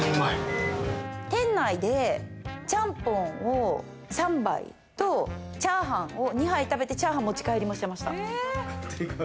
店内で、ちゃんぽんを３杯とチャーハンを２杯食べて、チャーハン持ち帰りもしてました。